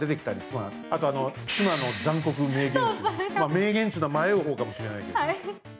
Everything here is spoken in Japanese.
名言というのは迷う方かもしれないけど。